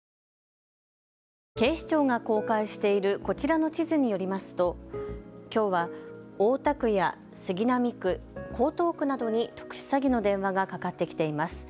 警視庁が公開しているこちらの地図によりますときょうは大田区や杉並区、江東区などに特殊詐欺の電話がかかってきています。